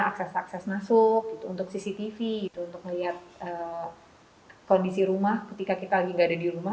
akses akses masuk untuk cctv gitu untuk melihat kondisi rumah ketika kita lagi nggak ada di rumah